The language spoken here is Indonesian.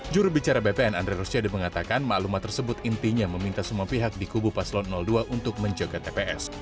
jurubicara bpn andre rosyade mengatakan maklumat tersebut intinya meminta semua pihak di kubu paslon dua untuk menjaga tps